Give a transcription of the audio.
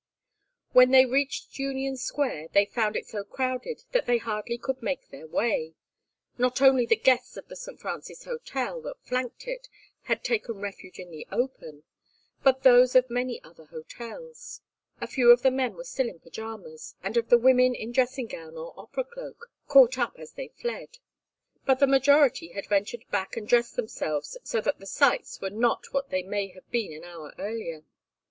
When they reached Union Square they found it so crowded that they hardly could make their way. Not only the guests of the St. Francis Hotel, that flanked it, had taken refuge in the open, but those of many other hotels. A few of the men were still in pyjamas, and of the women in dressing gown or opera cloak, caught up as they fled. But the majority had ventured back and dressed themselves, so that the "sights" were not what they may have been an hour earlier.